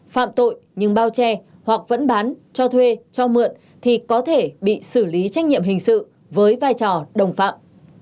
phạm tội nhưng bao che hoặc vẫn bán cho thuê cho mượn thì có thể bị xử lý trách nhiệm hình sự với vai trò đồng phạm